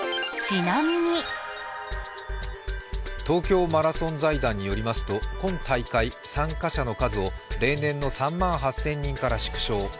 東京マラソン財団によりますと、今大会、参加者の数を例年の３万８０００人から縮小。